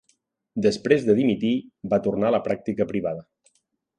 Després de dimitir, va tornar a la pràctica privada.